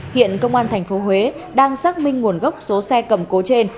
hiện công an thành phố huế đang xác minh nguồn gốc số xe cầm cố trên